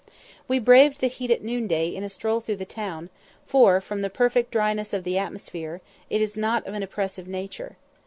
We braved the heat at noonday in a stroll through the town, for, from the perfect dryness of the atmosphere, it is not of an oppressive nature.